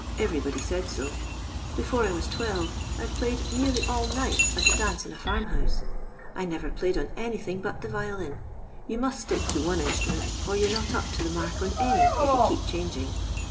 Everybody said so. Befon I vai twelve, I *ve played nearly all night at a dance in a farm house. I never played on anything bnt the violin. Tou must stick to one instrument, or you 're not up to the mark on any if yoa keep changing.